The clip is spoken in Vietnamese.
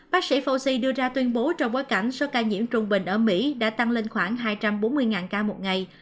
bác sĩ foxi đưa ra tuyên bố trong bối cảnh số ca nhiễm trung bình ở mỹ đã tăng lên khoảng hai trăm bốn mươi ca một ngày